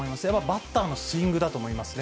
バッターのスイングだと思いますね。